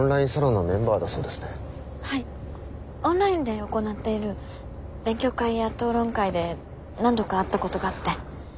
オンラインで行っている勉強会や討論会で何度か会ったことがあって。